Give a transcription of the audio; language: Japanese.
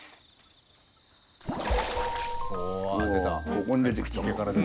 ここに出てきた。